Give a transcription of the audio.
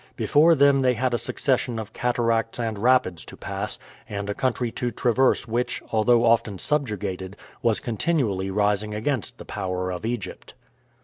Before them they had a succession of cataracts and rapids to pass, and a country to traverse which, although often subjugated, was continually rising against the power of Egypt.